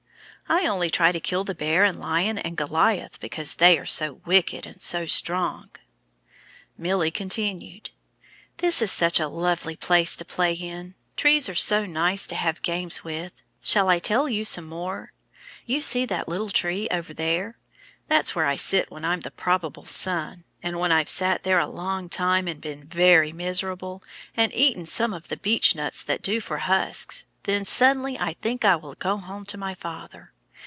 "I only try to kill the bear and lion and Goliath, because they're so wicked and so strong." Milly continued, "This is such a lovely place to play in trees are so nice to have games with. Shall I tell you some more? Do you see that little tree over there? That's where I sit when I'm the probable son, and when I've sat there a long time and been very miserable, and eaten some of the beech nuts that do for husks, then suddenly I think I will go home to my father.